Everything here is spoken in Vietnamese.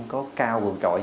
có cao vừa trọi